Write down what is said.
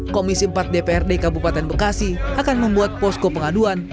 komisi empat dprd kabupaten bekasi akan membuat posko pengaduan